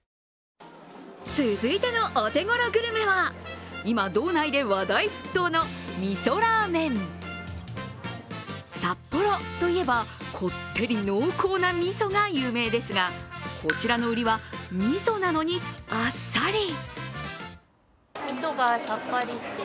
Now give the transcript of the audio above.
続いてのお手頃グルメは今、道内で話題沸騰のみそラーメン札幌といえばこってり濃厚なみそが有名ですがこちらの売りは、みそなのに、あっさり。